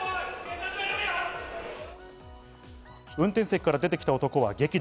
運転席から出てきた男は激怒。